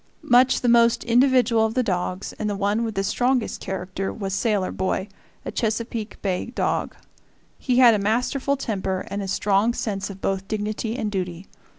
Much the most individual of the dogs and the one with the strongest character was Sailor Boy, a Chesapeake Bay dog. He had a masterful temper and a strong sense of both dignity and duty.